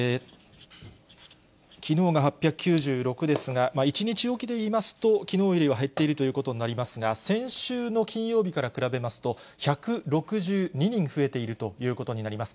きのうが８９６ですが、１日置きで言いますと、きのうよりは減っているということになりますが、先週の金曜日から比べますと、１６２人増えているということになります。